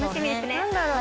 何だろう。